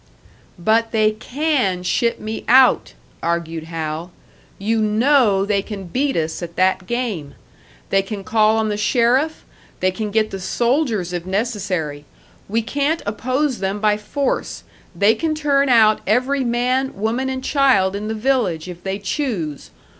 "But they can ship me out!" argued Hal. "You know they can beat us at that game! They can call on the sheriff, they can get the soldiers, if necessary! We can't oppose them by force they can turn out every man, woman and child in the village, if they choose.